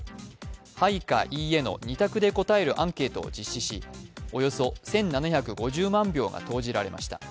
「はい」か「いいえ」の２択で答えるアンケートを実施し、およそ１７５０万票が投じられました。